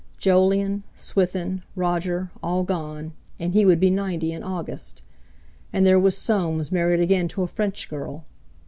Jolyon, Swithin, Roger all gone, and he would be ninety in August! And there was Soames married again to a French girl.